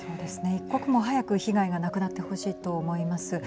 一刻も早く被害がなくなってほしいと思います。